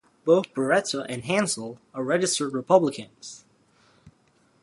Both Barreto and Hansell are registered Republicans.